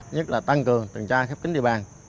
nhất là tăng cường tần tra khép kín địa bàn